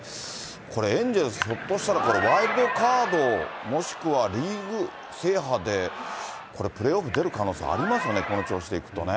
これ、エンゼルス、ひょっとしたらワイルドカード、もしくはリーグ制覇でこれ、プレーオフ出る可能性ありますよね、この調子でいくとね。